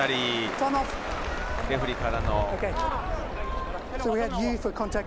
レフェリーからの。